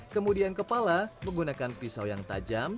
kemudian kepala menggunakan pisau yang tajam